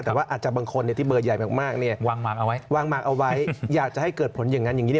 แต่ว่าอาจจะบางคนที่เบอร์ใหญ่มากวางเอาไว้วางเอาไว้อยากจะให้เกิดผลอย่างนั้นอย่างนี้